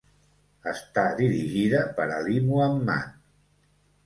Està dirigida per Ali Muhammad.